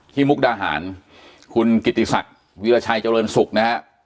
ที่มุกดาหารคุณกิติศักดิ์วิลชัยเจ้าเรินสุขนะครับ